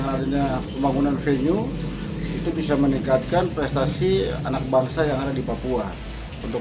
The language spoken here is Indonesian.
adanya pembangunan venue itu bisa meningkatkan prestasi anak bangsa yang ada di papua untuk